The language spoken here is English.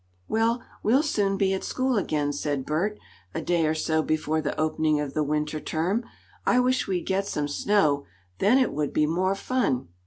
"Well, we'll soon be at school again," said Bert, a day or so before the opening of the Winter term. "I wish we'd get some snow. Then it would be more fun."